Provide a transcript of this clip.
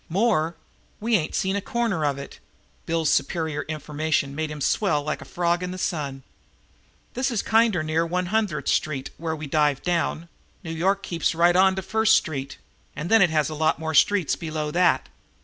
"More? We ain't seen a corner of it!" Bill's superior information made him swell like a frog in the sun. "This is kinder near One Hundredth Street where we dived down. New York keeps right on to First Street, and then it has a lot more streets below that.